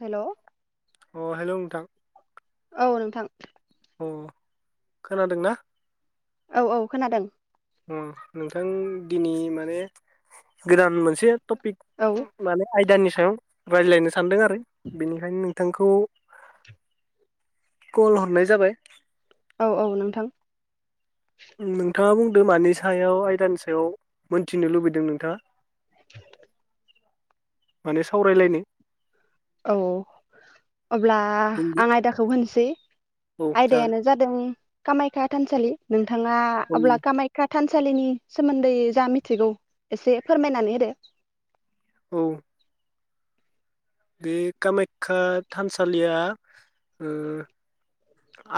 हेल' अ हेलौ नोंथां। औ नोंथां। अ खोनादोंना? औ औ खोनादों। अह नोंथां दिनै माने गोदान मोनसे टपिक औ माने आयदानि स सायाव रायज्लायनो सानदोंआरो बेनिखायनो नोंथांखौ कल हरनाय जाबाय। औ औ नोंथां। नोंथाङा बुंदों मानि सायाव आयदानि सायाव मोनथिनो लुबैदों नोंथाङा? [inaudible] माने सावरायलायनो। औ अब्ला बुंदो आं आयदाखौ होनसै औ आयदायानो जागोन जादों कामाख्या थानसालि नों नोंथाङा अब्ला कामायखा थानसालिनि सोमोन्दै जा मिथिगौ एसे फोरमायनानै होदो। औ। बे कामाख्या थानसालिया ओ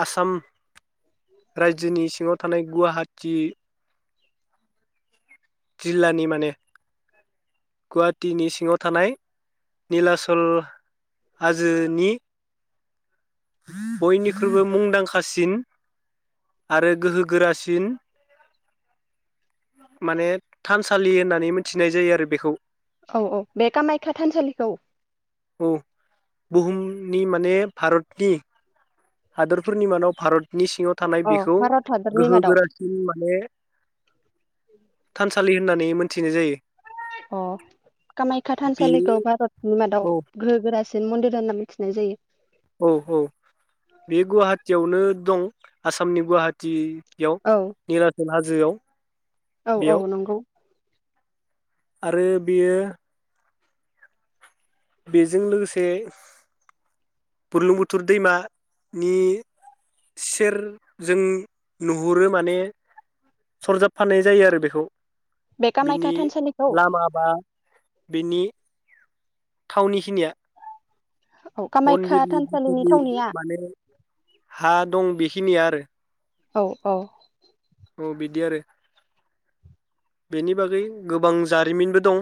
आसाम रायजोनि सिङाव थानाय गुवाहाटि जिल्लानि माने गुवाहाटिनि सिङाव थानाय निलाचल हाजोनि बयनिख्रुइबो मुंदांखासिन आरो गोहो गोरासिन माने थानसालि होननानै मिथिनाय जायोआरो बेखौ। औ औ बे कामाख्या थानसालिखौ। औ बुहुमनि माने भारतनि। हादरफोरनि मादाव भारत। नि सिङाव थानाय अ बेखौ भारत हादरनि गोहो मादाव गोरासिन माने थानसालि। होननानै मोनथिनाय जायो। अ कामाख्या बेयो थानसालिखौ भारतनि मादाव औ गोहो गोरासि मन्दिर होनना मिथिनाय जायो। औ औ बे गुवाहाटियावनो दं आसामनि गुवाहाटि बेयाव औ निलाचल हाजोआव । औ औ नंगौ। आरो बियो बेजों लोगोसे बुरलुंबुथुर दैमानि सेरजों नुहुरो माने सरजाबफानाय जायो आरो बेखौ। बे कामाख्या थानसालिखौ। लामा बा बिनि थावनिखिनिया औ कामाख्या मन्दिरनि थानसालिनि थावनिया [unintelligible] माने हा दं बे खिनिया आरो। औ औ। औ बिदि आरो बेनि बागै गोबां जारिमिनबो दं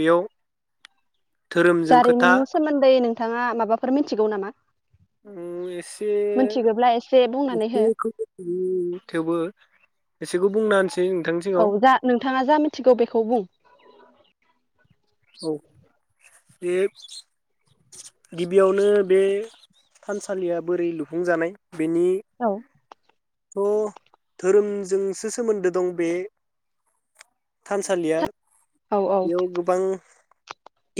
बेयाव धोरोमजों खोथा जारिमिननि सोमोन्दै नों थाङा माबाफोर मिथिगौ नामा? उम एस मिथिगौब्ला एसे बुंनानै हो बे थेवबो एसेखौ बुंनाहोनस औ जा नोंथाङा जा मिथिगौ बेखौ बुं औ बे गिबियावनो बे थानसालिया बोरै लुफुंजानाय? बेनि औ थ धोरोमजोंसो सोमोन्दो दं बे थानसालिया औ औ बेयाव गोबां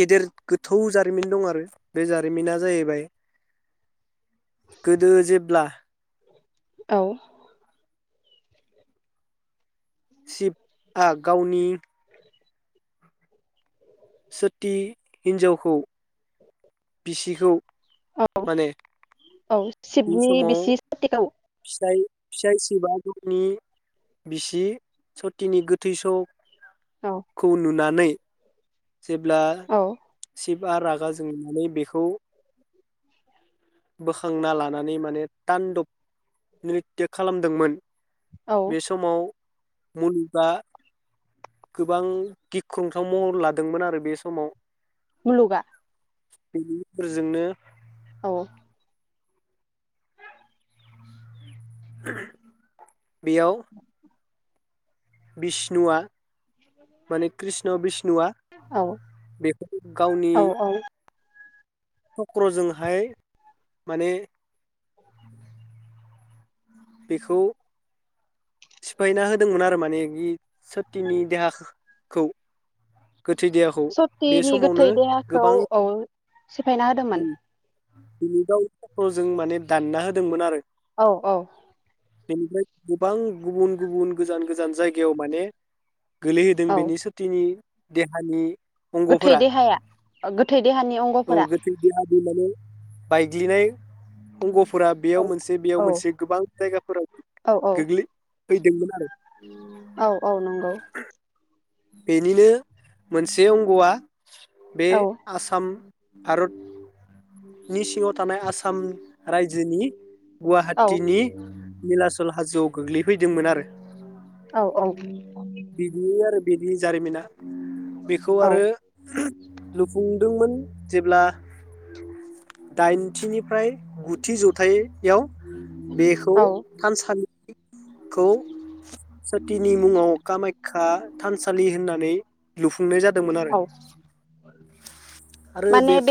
गेदेर गोथौ जारिमिन दं आरो बे जारिमिना जाहैबाय गोदो जेब्ला औ शिबआ गावनि सोटि हिन्जावखौ बिसिखौ औ माने औ बे सिबनि समाव बिसि सोटिखौ फिसाय फिसाय सिबआ गावनि बिसि सतिनि गोथै स औ खौ नुनानै [inaudible] जेब्ला औ सि शिबा रागा जोंनानै बेखौ बोखांना लानानै माने तान्दब नित्य खालामदोंमोन। औ बे समाव मुलुगा गोबां गिख्रंथाव महर लादोंमोन आरो बे समाव। मुलुगा बे-बेफोरजोंनो औ [inaudible] बेयाव बिष्णुआ माने कृष्ण बिष्णुआ औ बेखौ गावनि औ औ चक्रजोंहाय माने बेखौ सिफायना होदोंमोन आरो माने बि सतिनि देहाखो खौ सतिनि गोथै देहाखौ गोबां औ सिफायना होदोंमोन। बिनिफाय सट्रजों माने दानना होदोंमोन आरो। औ औ। बेनिफ्राय गोबां गुबुन गुबुन गोजान गोजान जायगायाव माने। गोलैहोदों औ बेनि सुतिनि। देहानि। गोथै अंगफोरा देहाया गोथै देहानि औ अंगफोरा। गोथै देहानि माने बायग्लिनाय अंग। फोरा औ बेयाव मोनसे बेयाव औ मोनसे। आं जायगाफोरा औ औ गोग्लै। फैदोंमोन आरो। औ औ नंगौ। बेनिनो मोनसे अंगआ। बे औ आसाम। भारत नि सिङाव। थानाय आसाम रायजोनि औ गुवाहाटिनि निलास खोला हाजोआव गोग्लैफैदोंमोन आरो। औ औ। बिदि आरो बिदि जारिमिना। बेखौ आरो औ लुफुंदोंमोन। जेब्ला दाइनथिनिफ्राय गुथि जथायाव बेखौ औ थानसालिखौ सथिनि मुङाव खामायखा थानसालि होननानै लुफुं खुंनाय जादोंमोन आरो औ आरो बेथ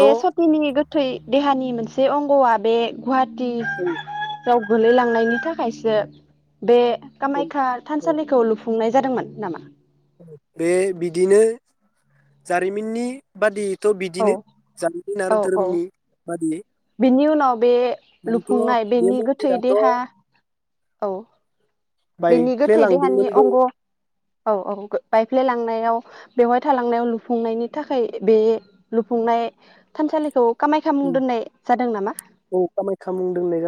थै देहानि मोनसे अंगआ बे गुहाटि आव गोलैलांनायनि थाखायसो बे कामाख्या थानसालिखौ लुफुंनाय जादोंमोन नामा बे बिदिनो जारिमिननि बादि थ औ बिदिनो जारिमिन औ आरो औ धोरोमनि बादियै बिनि उनाव बे लुफुंनाय [unintelligible] बे बेनि गोथै मन्दिराथ देहा औ बाइफ्ले लांदोंमोनबो औ-औ गो बायफ्ले लांनायाव बेवहाय थालांनायाव लुफुंनायनि थाखाय बे लुफुंनाय थानसालिखौ कामाख्या मुं दोननाय जादों नामा? औ कामाख्या मुं दोननाय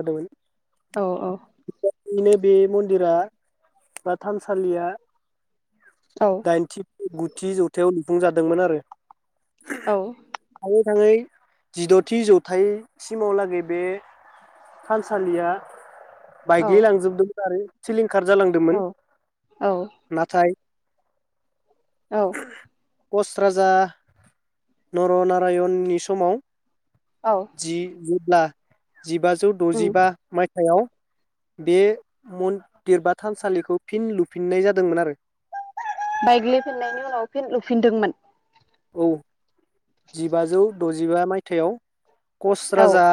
औ-औ बिनो बे मन्दिरा बा थानसालिया औ दाइनथि गुथि जौथायाव फुं जादोंमोन आरो औ गोथाङै जिदथि जौथायसिमाव लागै बे थानसालिया औ बाइग्लि लांजोबदोंमोन आरो सिलिं खार जालांदोंमोन औ औ नाथाय औ कच राजा नरनारायणनि समाव औ जिगु ना जिबाजौ उम दजिबा माइ थाइयाव बे मन्दिर बा थानसालिखौ फिन लुफिन्नाय जादोंमोन आरो बायग्लिफिननायनि उनाव फिन लुफिनदोंमोन औ जिबाजौ दजिबा मायथाइयाव कच औ राजा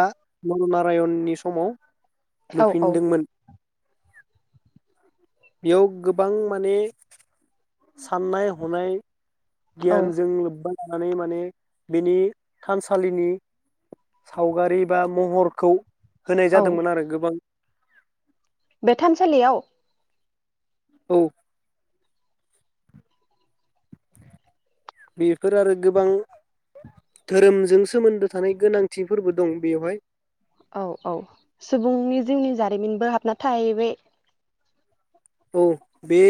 नरनारायननि समाव औ औ लुफिनदोंमोन बेयाव गोबां माने साननाय हनाय औ गियान लोब्बा लानानै माने बिनि थानसालिनि सावगारि बा महरखौ होनाय औ जादोंमोन आरो गोबां बे थानसालियाव औ बेफोर आरो गोबां धोरोमजों सोमोन्दो थानाय गोनांथिफोरबो दं बेवहाय औ औ सुबुंनि जिउनि जारिमिनबो हाबना थाहैबाय औ बे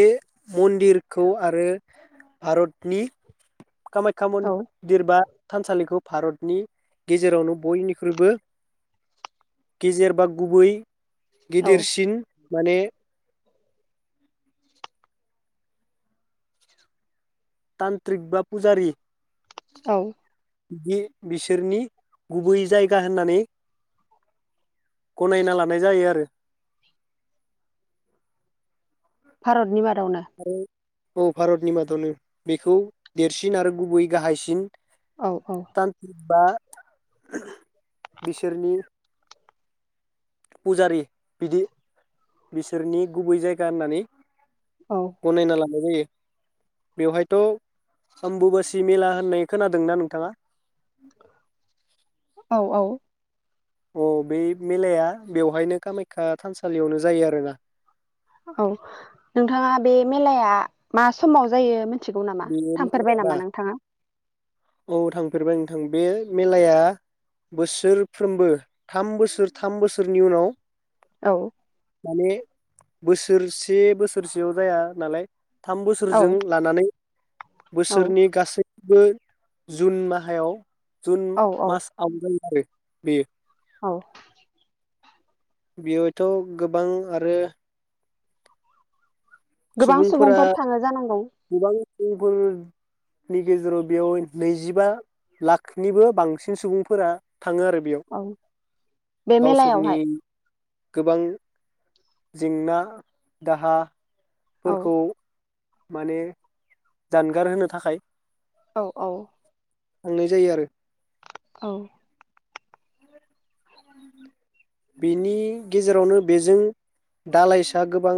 मन्दिरखौ आरो भारतनि कामाख्या मन औ दिर बा थानसालिखौ भारतनि गेजेरावनो बयनिख्रुइबो गेजेर बा गुबै औ गिदिरसिन माने तान्त्रिक बा पुजारि औ बिदि बिसोरनि गुबै जायगा होननानै गनायना लानाय जायो आरो भारतनि बाद आरो औ भारतनि मादावनो बेखौ देरसिन आरो गुबै गाहायसिन औ औ तान्त्रिक बा [inaudible] बिसोरनि पुजारि बिदि बिसोरनि गुबै जायगा होननानै औ गनायना लानाय जायो। बेवहायथ अम्बुुबासि मेला होननाय खोनादोंना नोंथाङा? औ औ अ बे मेलाया बेवहायनो कामाख्या थानसालियावनो जायो आरोना। औ नोंथाङा बे मेलाया मा समाव जायो मोन थिगौ नामा बे थांफेरबाय मेलायाना नामा नोंथाङा? औ थांफेरबाय नोंथां बे मेलाया बोसोरफ्रोमबो थाम बोसोर थाम बोसोरनि उनाव औ माने बोसोरसे बोसोरसेयाव जाया नालाय थाम औ बोसोरजों लानानै औ बोसोरनि गासै बो जुन माहायाव जुन औ औ मास आव जायो। आरो बेयो। औ बेवहायथ गोबां आरो गोबां सुबुंफोरा सुबुंफोर थाङो जानांगौ। [unintelligible] नि गेजेराव बेयाव नैजिबा लाखनिबो बांसिन सुबुंफोरा थाङो आरो बेयाव औ बे गावसोरनि मेलायावहाय गोबां जेंना दाहा औ फोरखौ माने जानगार होनो थाखाय औ औ थांनाय जायो आरो। औ बेनि गेजेरावनो बेजों दालाइसा गोबां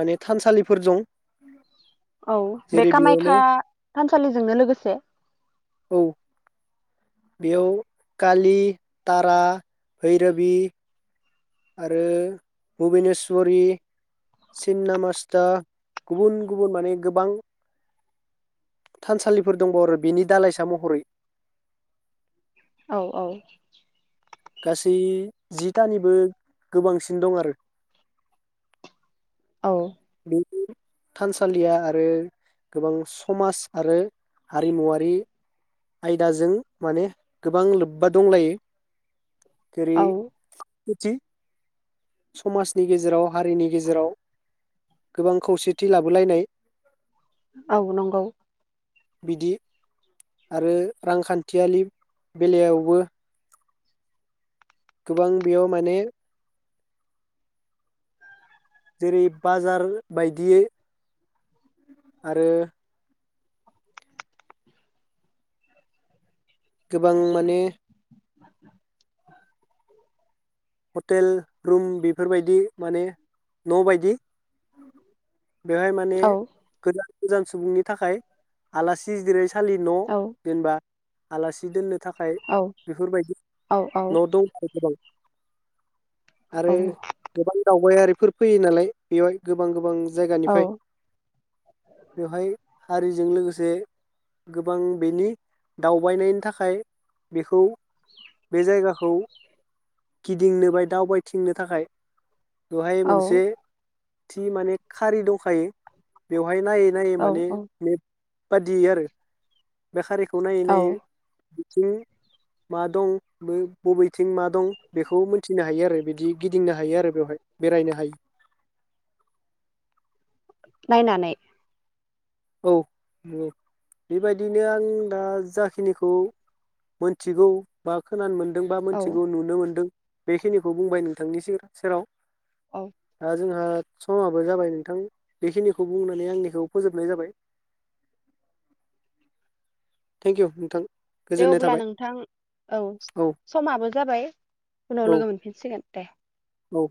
माने थानसालिफोर दं। औ बे जेरै कामाख्या बेयावनो थानसालिजोंनो लोगोसे औ बेयाव कालि, तारा, भैराबी आरो भुबेनेस्वरि, सिन्नामस्थ गुबुन गुबुन माने गोबां थानसालिफोर दंबावो बेनि दालाइसा महरै। औ औ गासै जितानिबो गोबांसिन दं आरो। औ [unintelligible] थानसालिया आरो गोबां समाज आरो हारिमुवारि आयदाजों माने गोबां लोब्बा दंलायो। [unintelligible] औ [unintelligible] समाजनि गेजेराव हारिनि गेजेराव गोबां खौसेथि लाबोलायनाय औ नंगौ। बिदि आरो रांखान्थियालि बेलायावबो गोबां बेयाव माने जेरै बाजार बायदियै आरो गोबां माने [unintelligible] टेल रुम बेफोरबायदि माने न' बायदि बेहाय माने औ गोदान [unintelligible] सुबुंनि थाखाय आलासि जिराय थालि न' औ जेनबा आलासि दोननो। थाखाय औ बेफोरबायदि औ औ न' दं। गोबां आरो गोबां दं। गयारिफोर फैयो नालाय बेवहाय गोबां गोबां जायगानिफाय औ बेवहाय हारिजों लोगोसे गोबां बेनि दावबायनायनि थाखाय बेखौ बे जायगाखौ गिदिंनो बाय दावबायथिंनो थाखाय बेवहाय औ मोनसे थि माने खारि दंखायो बेव नायै नायै औ माने मेप बादि आरो बे खारिखौ नायै औ नायै बिथि मा दं मै बबेथिं मा दं बेखौ मोनथिनो हायो आरो बिदि गिदिंनो हायो आरो बेवहाय बेरायनो हायो। नायनानै औ मो बेबायदिनो आं दा जाखिनिखौ मोनथिगौ बा खोनानो मोन दों बा औ मिथिगौ नुनो मोन्दों बेखिनिखौ बुंबाय नोंथांनि सिर सेराव औ दा जोंहा समाबो जाबाय नोंथां बेखिनिखौ बुंनानै आंनिखौ फोजोबनाय जाबाय। थेंक इउ नोंथां। दे गोजोननाय अब्ला थाबाय नोंथां औ समाबो जाबाय उनाव औ लोगो मोनफिनसिगोन दे। औ